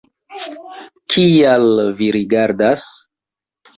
Kial vi rigardas?